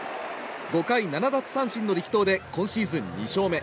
５回７奪三振の力投で今シーズン２勝目。